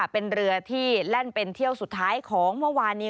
เป็นเรือที่แล่นเป็นเที่ยวสุดท้ายของเมื่อวานนี้